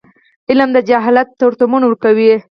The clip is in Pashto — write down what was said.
علم د جهالت تورتمونه ورکوي.